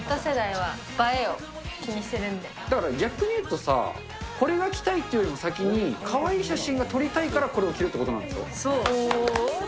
だから逆に言うとさ、これが着たいっていうよりも先に、かわいい写真が撮りたいからこれそう。